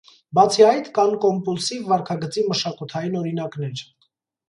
Բացի այդ, կան կոմպուլսիվ վարքագծի մշակութային օրինակներ։